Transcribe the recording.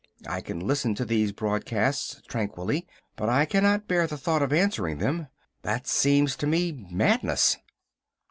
I can listen to these broadcasts tranquilly, but I cannot bear the thought of answering them. That seems to me madness!"